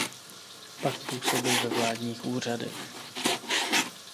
Pak působil ve vládních úřadech.